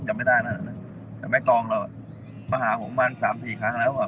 ยังไม่ได้แล้วนะแต่แม่ตองเรามาหาผมประมาณ๓๔ครั้งแล้ว